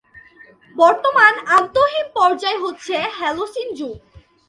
বর্তমান আন্তঃহিম-পর্যায় হচ্ছে হলোসিন যুগ।